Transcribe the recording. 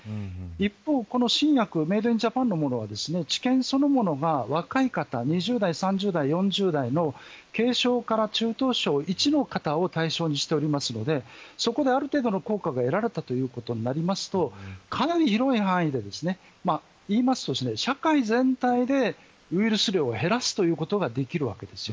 一方、この新薬メードインジャパンのものは治験そのものが若い方２０代、３０代、４０代の軽症から中等症１の方を対象にしておりますのでそこで、ある程度の効果が得られたということになりますとかなり広い範囲で言いますと、社会全体でウイルス量を減らすということができるわけです。